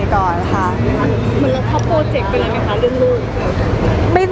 แล้วท็อปโปรเจคเป็นอะไรไหมคะเรื่องลูก